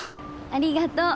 ありがとう。